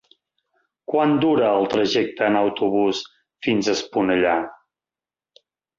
Quant dura el trajecte en autobús fins a Esponellà?